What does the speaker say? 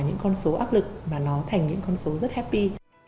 những con số áp lực mà nó thành những con số rất happy